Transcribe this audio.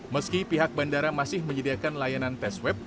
meski pihak bandara masih menyediakan layanan tes web